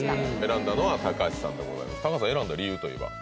選んだのは高橋さんでございます高橋さん選んだ理由というのは？